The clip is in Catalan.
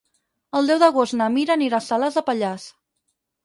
El deu d'agost na Mira anirà a Salàs de Pallars.